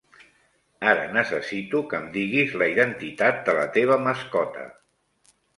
Ara necessito que em diguis la identitat de la teva mascota.